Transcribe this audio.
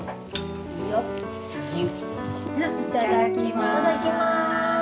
いただきます。